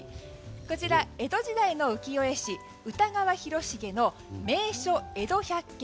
こちら、江戸時代の浮世絵師歌川広重の「名所・江戸百景